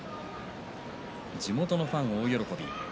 地元のファンは大喜びです。